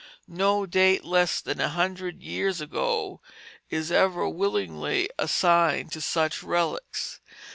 No date less than a hundred years ago is ever willingly assigned to such relics.